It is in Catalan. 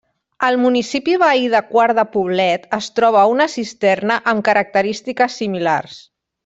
Al municipi veí de Quart de Poblet es troba una cisterna amb característiques similars.